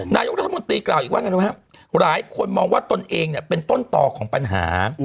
นายกของรัฐมนติกล่าวอีกวันกันนะคะหลายคนมองว่าตนเองเนี่ยเป็นต้นต่อของปัญหา